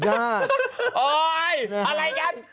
โอ๊ยอะไรกัน